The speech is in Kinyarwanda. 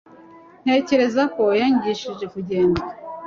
ntekereza ko yanyigishije kugenda